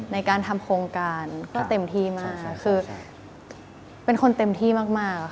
ในการทำโครงการก็เต็มที่มากคือเป็นคนเต็มที่มากค่ะ